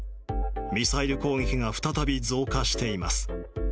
ミサイル攻撃が再び増加しています。